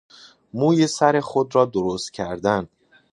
موی سر خود را درست کردن